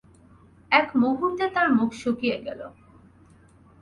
এক মুহূর্তে তার মুখ শুকিয়ে গেল।